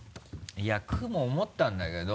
いや「く」も思ったんだけど。